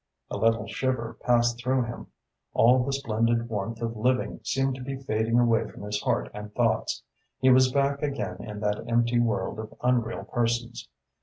A little shiver passed through him. All the splendid warmth of living seemed to be fading away from his heart and thoughts. He was back again in that empty world of unreal persons.